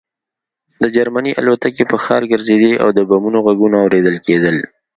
د جرمني الوتکې په ښار ګرځېدې او د بمونو غږونه اورېدل کېدل